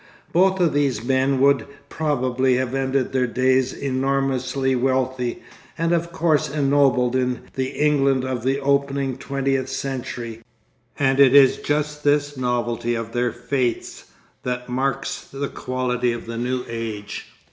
Both of these men would probably have ended their days enormously wealthy, and of course ennobled in the England of the opening twentieth century, and it is just this novelty of their fates that marks the quality of the new age.